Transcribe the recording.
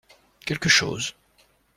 Quelque chose.